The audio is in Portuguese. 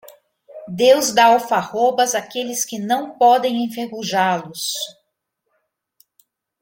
Deus dá alfarrobas àqueles que não podem enferrujá-los.